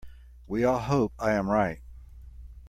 We all hope I am right.